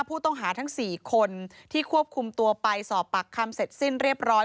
ผู้ต้องหาทั้ง๔คนที่ควบคุมตัวไปสอบปากคำเสร็จสิ้นเรียบร้อย